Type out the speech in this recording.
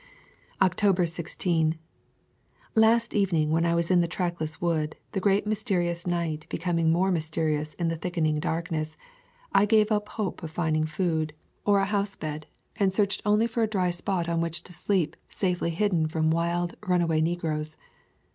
October 16. Last evening when I was in the trackless woods, the great mysterious night be coming more mysterious in the thickening dark ness, I gave up hope of finding food or a house [ 93 ] A Thousand Mile Walk bed, and searched only for a dry spot on which to sleep safely hidden from wild, runaway ne groes.